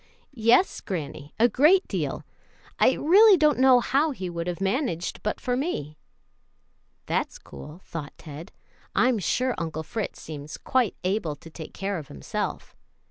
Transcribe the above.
"Yes, granny, a great deal. I really don't know how he would have managed but for me." "That's cool," thought Ted; "I'm sure Uncle Fritz seems quite able to take care of himself."